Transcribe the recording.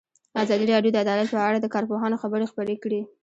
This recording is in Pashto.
ازادي راډیو د عدالت په اړه د کارپوهانو خبرې خپرې کړي.